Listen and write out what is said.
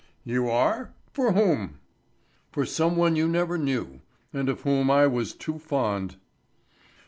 "You are? For whom?" "For some one you never knew, and of whom I was too fond."